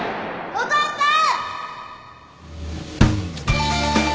お父さん！